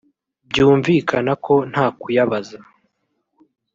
byumvikana ko nta kuyabaza